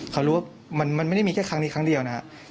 เขารู้ว่ามันไม่ได้มีแค่ครั้งนี้ครั้งเดียวนะครับ